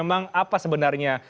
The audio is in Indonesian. atau memang apa sebenarnya